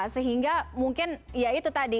sehingga mungkin ya itu tadi